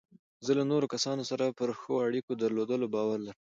زه له نورو کسانو سره پر ښو اړیکو درلودلو باور لرم.